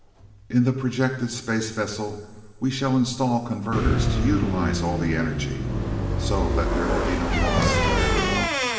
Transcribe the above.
"In the projected space vessel we shall install converters to utilize all the energy, so that there will be no loss whatever.